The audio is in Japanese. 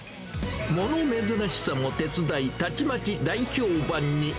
物珍しさも手伝い、たちまち大評判に。